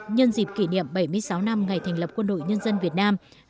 nhân dịp kỷ niệm bảy mươi sáu năm ngày thành lập quân đội nhân dân việt nam